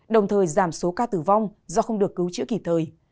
đồng thời giảm số ca tử vong do không được cứu chữa kịp thời